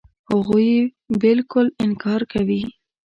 هغوی بالکل انکار کوي.